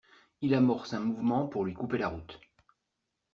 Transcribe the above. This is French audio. Il amorce un mouvement pour lui couper la route.